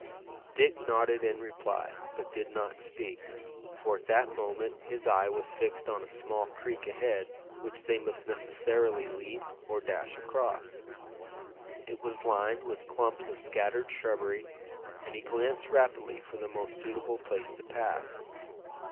Dick nodded in reply, but did not speak, for at that moment his eye was fixed on a small creek ahead which they must necessarily leap or dash across. It was lined with clumps of scattered shrubbery, and he glanced rapidly for the most suitable place to pass.